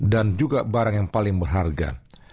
dan juga barang yang paling berharga